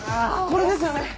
これですよね？